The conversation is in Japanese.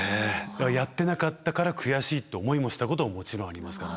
やってなかったから悔しいって思いもしたことももちろんありますから。